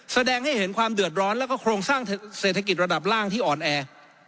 แสดงให้เห็นความเดือดร้อนแล้วก็โครงสร้างเศรษฐกิจระดับล่างที่อ่อนแอ